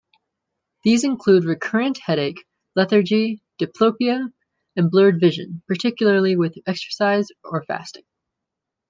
These include recurrent headache, lethargy, diplopia, and blurred vision, particularly with exercise or fasting.